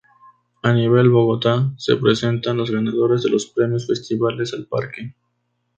A nivel Bogotá se presentan los ganadores de los premios Festivales al Parque.